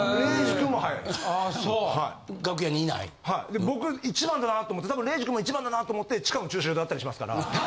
で僕１番だなと思って多分礼二君も１番だなと思って地下の駐車場で会ったりしますから。